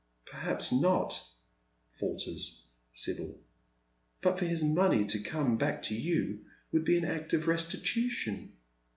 " Perhaps not," falters Sibyl. " But for his money to come back to you would be an act of restitution.